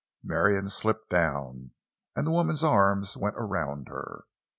Marion slipped down, and the woman's arms went around her.